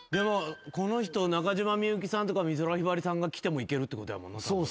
この人中島みゆきさんとか美空ひばりさんがきてもいけるってことやもんなたぶん。